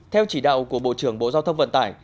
theo chỉ đạo của bộ trưởng bộ giao thông vận tải